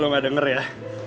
lo gak denger ya